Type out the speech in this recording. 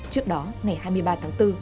trước đó ngày hai mươi ba tháng bốn